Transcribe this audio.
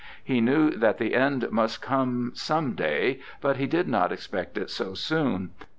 He knew that the end must come some day, but he did not expect it so soon.